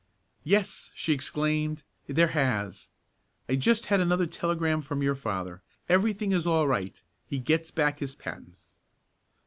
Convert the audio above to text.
"Yes!" she exclaimed, "there has. I just had another telegram from your father. Everything is all right. He gets back his patents."